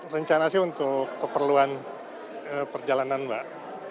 rencana sih untuk keperluan perjalanan mbak